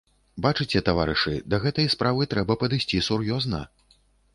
Бачыце, таварышы, да гэтай справы трэба падысці сур'ёзна.